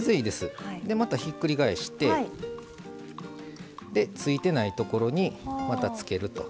またひっくり返してついてないところにまたつけると。